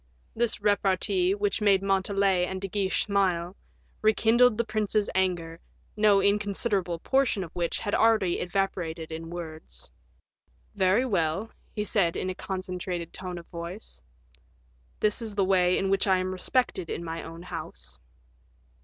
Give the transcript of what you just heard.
This repartee, which made Montalais and De Guiche smile, rekindled the prince's anger, no inconsiderable portion of which had already evaporated in words. "Very well," he said, in a concentrated tone of voice, "this is the way in which I am respected in my own house."